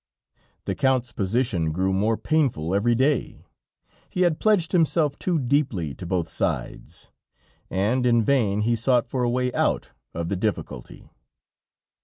The Count's position grew more painful every day; he had pledged himself too deeply to both sides, and in vain he sought for a way out of the difficulty.